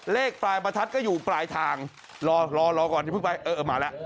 เลขปลายประทัดก็อยู่ปลายทางรอรอก่อนอย่าเพิ่งไปเออมาแล้ว